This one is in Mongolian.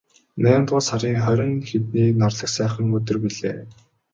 Наймдугаар сарын хорин хэдний нарлаг сайхан өдөр билээ.